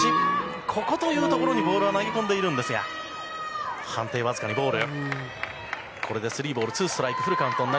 ここというところにボールを投げ込んでいるんですが判定はわずかにボール。